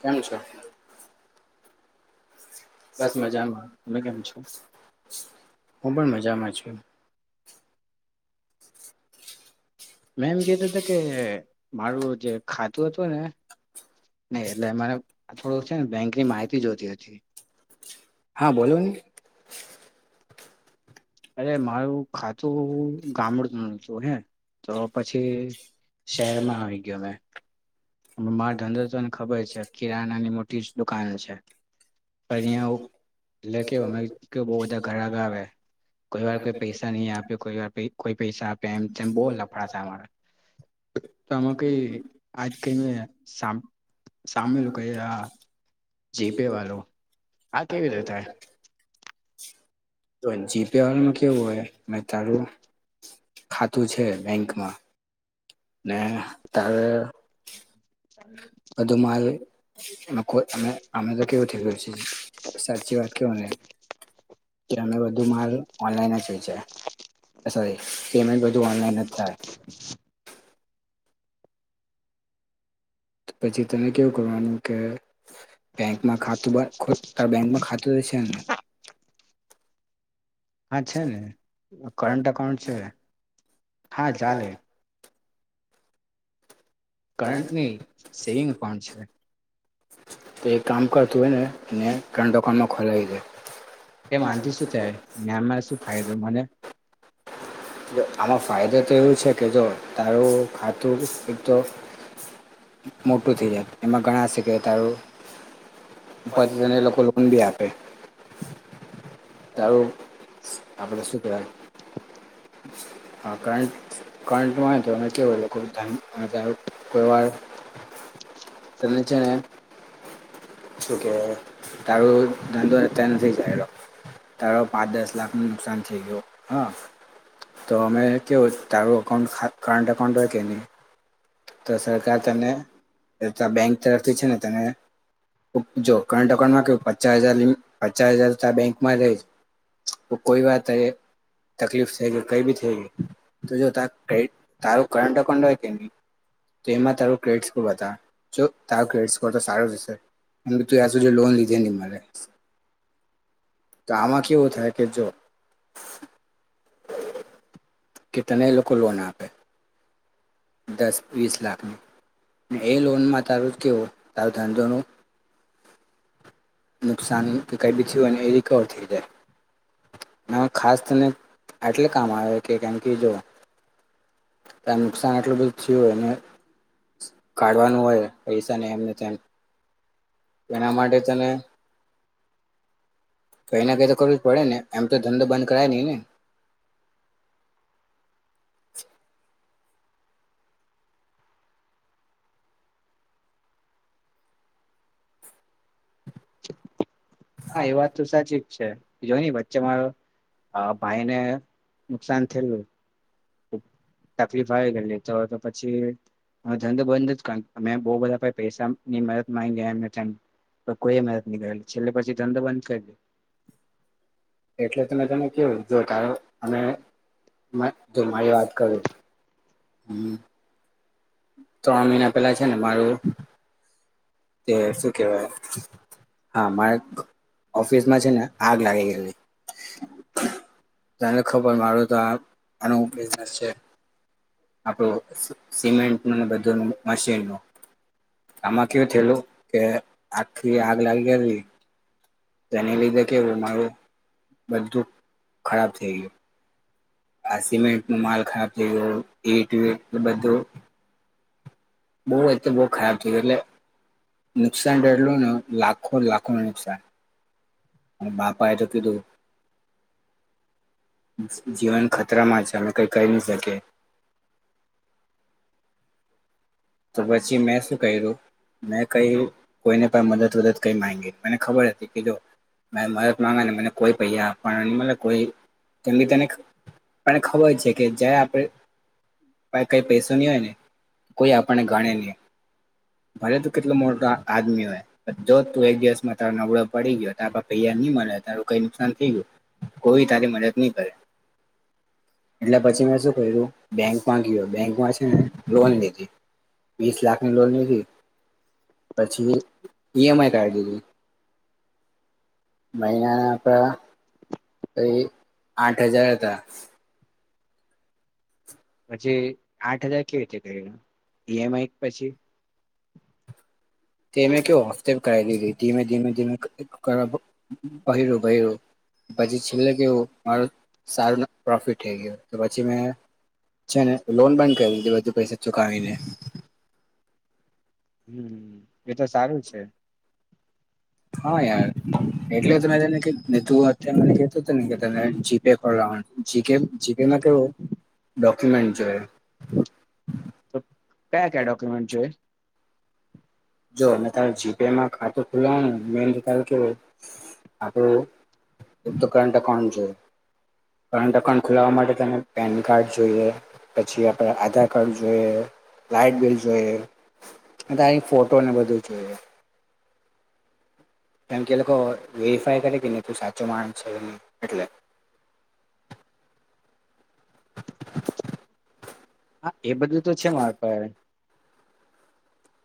કેમ છો? બસ મજામાં હું પણ મજામાં છું. મે એમ કતો હતો કે મારું જે ખાતું હતું ને ને એટલે મારાં થોડું છે ને બેંક ની માહિતી જોતી હતી. હા બોલોને. અરે મારું ખાતું ગામડું ન હતું હે તો પછી શેરમાં આવી ગયો મેં. મારો ધંધો તોને ખબર છે કિરાના ની મોટી જ દુકાન છે. પણ અયા એટલે કે અમે કે બહ ધા કલાકારે. કોઈ વાર કોઈ પૈસા નહી આપે કોઈ વાર કોઈ પૈસા આપ્યા એમમ બહુ લફડા છે અમારા. તો આમાં કઈ આજ કઈને સામ સામેલું કઈ જીપે વાળું આ કેવી રીતે? તો જી પે વાલમાં કેવું હોય મેં તારું ખાતું છે બેંકમાં ને તારે [unintelligible] [unintelligible] લોકો અને અમને કેવું છે સાચી વાત કેઓ ને કે અમે બુ માલ ઓનલાઈનજ વેચે સોરી પેમેન્ટ બધુ ઓનલાઈન જ થાય પછી તને કેવું કરવાનું કે બેંકમાં ખાતું બેંકમાં ખાતું તો છે ને હા છે ને કરંટ એકાઉન્ટ છે હા ચાલે કરંટની સેવિંગ એકાઉન્ટ છે તો એક કામ કર તું હેને ને કરંટ અકાઉન્ટ નો ખોલાવી દે એ વાનતી શું છે ને આમાં શું ફાયદો મને આમાં ફાયદો તો એવું છે કે જો તારું ખાતુંર એક તો મોટું થઈ જાય એમાં ઘણા શેકે તારું પણ છે ને એ લોકો લોકો નેબી આપે તારું આપણે શું કેવાય. [unintelligible] [inaudible] [inaudible] તને છે ને શું કે તારું ધનંધુ અત્યારે નથી ચાયળો તારો પાંચ દસ લાખ નું નુકસાન થઇ ગયું હ તો અમે કઓ તાર અકાઉન્ટ કન્ટ અકાઉન્ટ હોય કે ન તો સરકાર તને બેંક તરફથી છે ને તને જો કરંટ અકાઉન્ટમાં કેવુ પચાસ હજાર લિમિ પચાસ હજાર બેંકમાં રહે જ તો કોઈ વાત એ તકલીફ થઈ ગઈ કઈ બી થઈ ગઈ તો જો તા કઈ તારું કરંટ અકાઉન્ટ હોય કે નહી તો એમાં તારું ક્રેડિટ સ્કોર બતા જો તારો ક્રેડિટ સ્કોર તો સારો જશે અને તું યાં સુધ લોન લીધે ની મળે તો આ કેઓ થાય કે જો કે તને એ લોકો લોન આપે દસ વીસ લાખની એ લોનમાં તારું કેવો તારું ધંધોનું નુકસાન ક બી થું અને એ રિકવર થઈ જાય એમાં ખાસ તને આટલે કામ આવે કે કેમ કે જો તમ આટલું બધું થ હોયને કાઢવાનું હોય પૈસાને એમને તેમ એના માટે છે ને કઈ ના કંઈ તો કરવું જ પડે ને એમ તો ધંધો બંધ કરાય નહીં ને. [inaudible] હા એ વાત તો સાચી છે જોય વચ્ચે મારો ભાઈ ને નુકસાન થયેલું તકલીફ આવે કેની તો તો પછી હ ધંધો બંધ જ અમે બહ બધા પૈસા ની મદદ માંગ ગયા તો કોઈ મહેત ની કરેલી છેલ્લે પછી ધંધો બંધ કરી દે એટલે તમે તને કેવું જો ત અમે તું મારી વાત કરું હમ્મ તો અમીન પેલા છે ને મારું તે શું કેવાય હા મારે ઓફિસમાં છે ને આગ લાગી ગયેલી તને ખબર મારું તો આ આનું બિઝનેસ છે. આપણું સિમેન્ટનુંને બધું ન મશીનનું આમાં કેવું થયેલું કે આખી આગ લાગી એવી તેને લીધે કે રમારું બધું ખરાબ થઈ ગયું. આ સિમેન્ટ ન માલ ખરાબ થઈ ગયો ટટ બધું બહ એત બહુ ખરાબ થઈ એટલે નુકસાન રઢલો ને લાખો લાખો ન નુકસાન અને બાપા આટ તેધું જીવન ખતરામાં છે, અમે કંઈ કહી નહી શકીએ [inaudible] તો પછી મેં શું કર્યું મે કઈ કોઈને પણ મદદ વદદ કઈ માંગી મને ખબર હતી, કે જો ને મને કોઈ પૈ આપ મ કોઈ બી તને પણ ખબર છે, કે જ આપણે કઈ પૈસોની હોય ને કોઈ આપ પણ ગણ ન ભલે તું કેટલો મોટો આદમી હોય, જો તું એક દિવસમાં તો નબળો પડી ગયો તૈ મળે તારું કઈ નુકસાન થઈ ગયું કોઈ તારી મદદ નહી કરે, એટલે પછી મેં શું કર્યું બેંક માં ગયો બેંકમાં છેને લોન લીધી, વીસ લાખની લોન લધી પછી ઈમઈ મહનાના આપડા આઠ હજાર એ હતા, પછી આઠ હજાર કેવી રીતે કરી ઈએમ આઈ પછી તેમે કવ હફતે કરલીધી ધીમે ધીમે ધીમે કર બહેરો હો બહીર હો પછી છેલ્લે કેું મારો સારું પ્રોફિટ થઈ ગ તો પછી મે છે ને લોન બંધ કરી દીધી બધુ પૈસા ચુકાવીને હમ એતો સારું છે, હા, યાર એટલે ત તનેનેધું અતને કતું હતું, ને કે ત જીપે જીકેમાં કેવો ડોક્યુમેન્ટ જોય તો કયા કયા ડોક્યુમેન્ટ જો જો અને તારે જીપેમાં ખાતું ખુલવાનું મેન તાલ કેવો આપ ઉક્તકરણ કોણ છે, કરંટ અકાઉન્ટ ખોલાવા માટે તમે પેન કાર્ડ જોઈએ પછી આપણે આધાર કાર્ડ જોઈએ, લાઈટ બિલ જોઈએ, અને તારી ફોટોને બધું જોઈએ, કેમ કે એ લોકો વેરફાય કરે કે નહી તું સાચું માણસ છે, ન એટલે [unintelligible] [inaudible] [unintelligible] [inaudible] હા એ બધું તો છે મારે પ [unintelligible]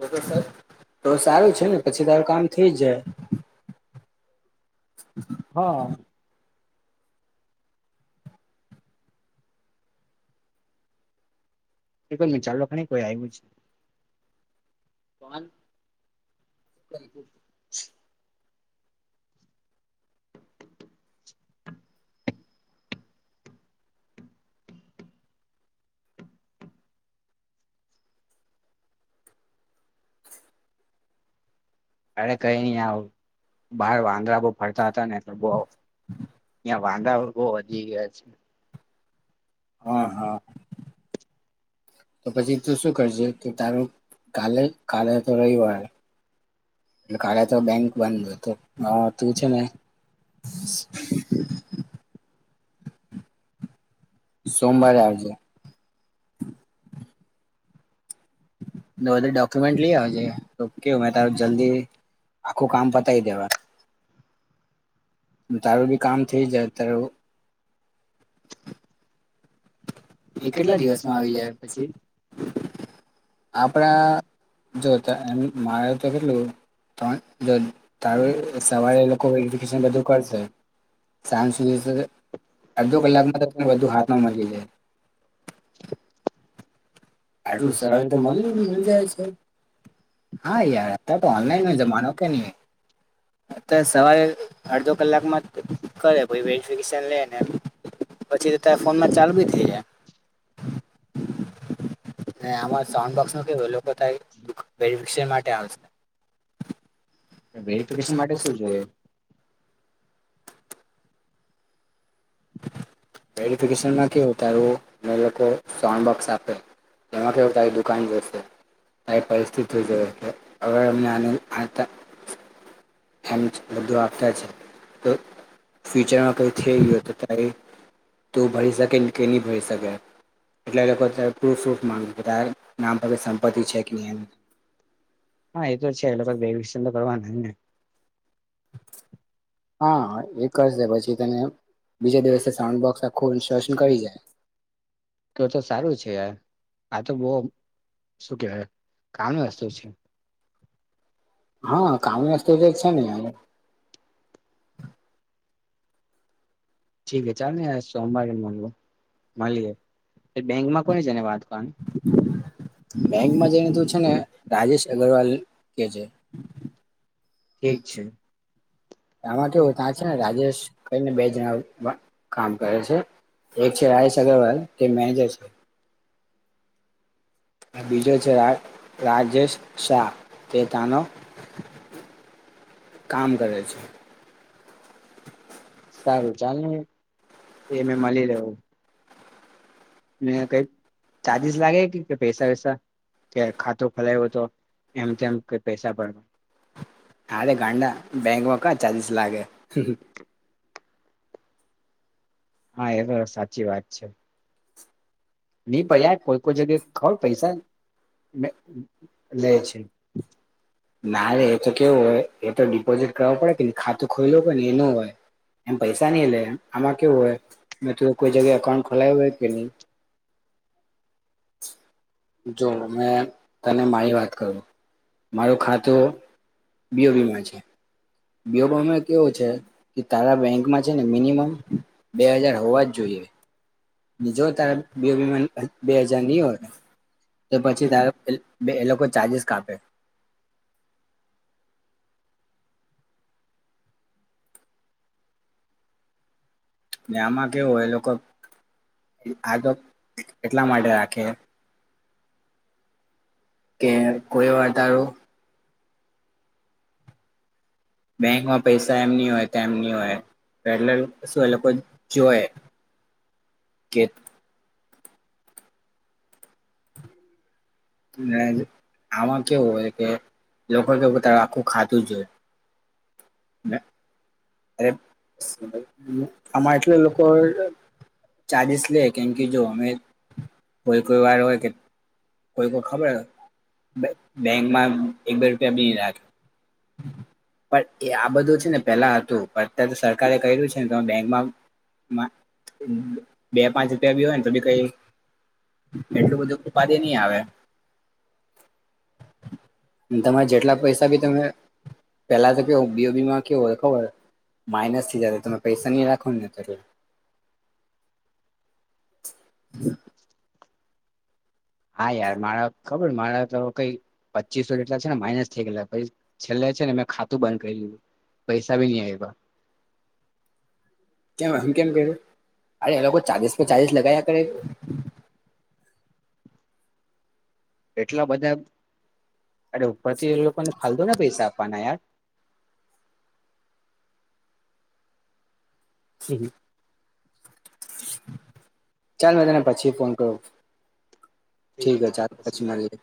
તો તો સારું છે, ને પછી તારું કામ થઇ જ જાય હા, એકજ મિનિટ ચાલુ રાખો કોઈ આવીયુ છે, કોન [inaudible] અરે કઈ નહી બહાર વાંદડા બહ ફરતા હતા ને બ વાંધા બહ વધી ગયા છે, હા હા તો પછી તું શું કરજે કે તારું કાલે કાલે તો રહીવાળે એ કાલે તો બેંક બંધ હતો હા તું છે, મેને [unintelligible] [inaudible] સોમવારે આવજે, તો બધું ડોક્યુમેન્ટ લઈજ કેવું એ તારે જલ્દી આખું કામ પતાવી દેવાનું તારું બી કામ થઈ જ તું એ કેટલા દિવસમાં આવી ગયા પછી આપણા જો તો એમ મારો તો કેટલું તારું સવારે એ લોકો વેરફિકેશન બધું કરશે સાંજ સુધી અડધો કલાકમાંને વધુ હાથમાં મળી [unintelligible] [inaudible] [inaudible] આટલું સર મળું મળઈ જાય છે હા યાર એ તો અનલાઈન જમાનો કે ની અત્યારે સવારે અડધો કલાકમાં કરે વેરિફિકેશન લે ને પછી ત ફોનમાં ચાલ બી થ‌ઇ જાય મે આમા સાઉન્ડ બોક્સ ન કે એ લોકો થાય વેરીફિકેશન માટે આવશે [unintelligible] [inaudible] [inaudible] વેરિફિકેશન માટે શું જોયે વેરફિકેશન માં કેવુ તારુ મેં લોકો સાઉડ બોક્સ આપે તેમાં કેવું તારી દુકાન જોશે તાય પિરિસ્થીતી જોવે અવે ને આ એમ બધું આપતા છે તો ફ્યુચરમાં કઈ થઈ ગયું તો તારી તો ભરી શકેે કે ની ભરી શકે એટલે એ લોકો [unintelligible] ત પ્રૂફૂફ માંગે કે ત નામ પર [unintelligible] સંપત્તિ છે કે ન હા એ તો છે એ [unintelligible] બેસન [unintelligible] તો કરવાના ને હા એ કરશે પછી તને બીજા દિવસે સાઉન્ડ બોક્સ આખું ઇન્સ્ટોલેશન કરી જાય. તો તો સારું છે યાર આ તો બહ શું કેવાય કામની વસ્તુ છે. હા કામની વસ્તુ તો છે જ ને યાર ઠીક છે ચાલ ને યાર સોમવારે મળું મલીએ એ બેંકમાં કોને જાઈને વાત બેંકમાં જઈને તું છે ને રાજેશ અગ્રવાલ કે જે ઠીક છે આમાં કેવું ત્યાં છે ને રાજેશ કઈને બે જણા કામ કરે છે એક છે રાજેશ અગ્રવાલ તે મેનેજર છે આ બીજો છે રાજ રાજેશ શાહ તે ત્યાનો કામ કરે છે સારું ચાલ ને એને મલી લેવું મે કઈ ચાર્જિસ લાગે કે પૈસા વેસા કે ખાતું ખોલાવ્યું તો એમ તેમ કે પૈસા ભરવા અરે ગાંડા બેંકમાં કા ચાર્જીસ લાગે હા એ તો સાચી વાત છે ની પેલા કોઈ કોઈ જગ્યા ખ પૈસા લે લેય છે ના રે એ તો કેવું હોય એ તો ડિપોઝિટ કરવા પડે ને ખાતું ખોલ્યું હોય ને એનું હોય એમ પૈસા નઈ લે આમાં કેવું હોય મે ત કોઈ જગ્યાએ એકાઉન્ટ ખોલાયું હોય કે નહી [inaudible] જો મેં તને મારી વાત કરું મારું ખાતું બી. ઓ. બી માં છે બીઓબી મા કેવો છે, કે તારા બેંકમાં છે ને મિનિમમ બે હજાર હોવા જ જોઈએ. જો તાર બે બે બેંકમાં બે હાજારની હોય. તે પછી તાર એ લોકો ચાર્જિસ કાપે. આમાં કેવું હોય એ લોકો. આ તો એટલા માટે રાખે. કે કોયવાર તારું બેંકમાં પૈસા એમની હોય તેમની હોય. પહેલા શું એ લોકો જોય કે આમાં કેવું હોય કે લોકો કે તારે આખું ખાતું જોય. અરે, આમાં એટલા લોકો હોય છે. ચાલીસ લેક કેમ કે જો અમે કોઈ કોઈ વાર હોય કે કોઈ કો ખબર, બેંકમાં એક બે રૂપિયા બી રાખે. પણ એ આ બધું છે ને પેલા હતું પણ અત્યારે તો સરકારે કર્યું છે ને તમે બેંકમાં બે પાંચ રૂપિયા બી હોય ને તો બી કઈ એટલું બધું કૂપાદીની આવે. તમારે જેટલા પૈસા બી તમે પેલા તો કેવું બી ઓ બીમાં કેવું હોય ખબર. માઇનસ થી જાત તમે પૈસાની રાખો ને તો. [inaudible] હા યાર મારા ખબર મારા તો કઈ પચ્ચીસો જેટલા છેને માઇનસ થઈ ગેલા પછી છેલ્લે છેને મેં ખાતું બંધ કરી લીધું. પૈસા બી ની આયપા. [inaudible] કેમ એમ કેમ કર્યું અરે એ લોકો ચાર્જસ માં ચાર્જસ લગાયા કરે એટલા બધા અ ઉપરથી એ લોકોને ફાલતુ ને પૈસા આપવાના યાર હમ ચાલ મે તને પછી ફોન કર્યો ઠીક હ ચાલ પછીમા